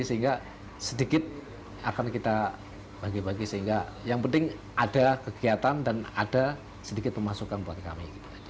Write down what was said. sehingga sedikit akan kita bagi bagi sehingga yang penting ada kegiatan dan ada sedikit pemasukan buat kami